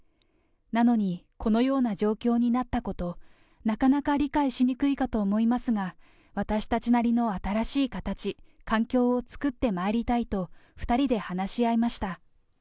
なのに、このような状況になったこと、なかなか理解しにくいかと思いますが、私たちなりの新しい形、環境を作ってまいりたいと２人で話し合いました。